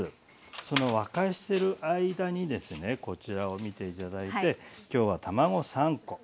その沸かしてる間にですねこちらを見て頂いて今日は卵３コ。